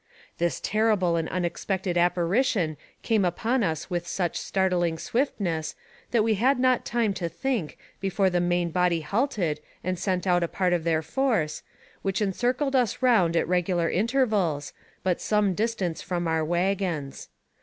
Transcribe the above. This terrible and unexpected apparition came upon us with such startling swiftness that we had not time to think before the main body halted and sent out a part of their force, which circled us round at regular inter vals, but some distance from our wagons.